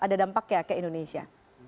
ada dampaknya ke indonesia